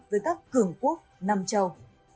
với các cường quốc nam châu